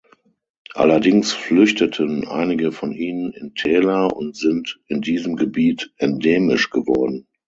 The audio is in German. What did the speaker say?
Allerdings flüchteten einige von ihnen in Täler und sind in diesem Gebiet endemisch geworden.